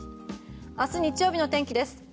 明日、日曜日の天気です。